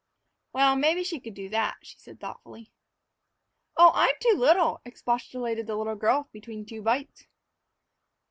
"Well, maybe she could do that," she said thoughtfully. "Oh, I'm too little," expostulated the little girl, between two bites.